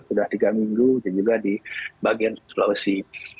sudah tiga minggu dan juga di bagian sulawesi